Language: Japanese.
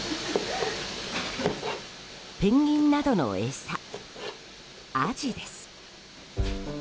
ペンギンなどの餌、アジです。